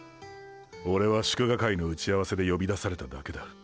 オレは祝賀会の打ち合わせで呼び出されただけだ。